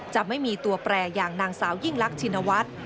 จะไม่มีตัวแปรอย่างนางสาวยิ่งลักชินวัฒน์